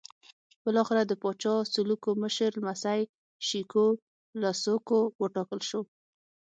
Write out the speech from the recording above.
بالاخره د پاچا سلوکو مشر لمسی شېکو سلوکو وټاکل شو.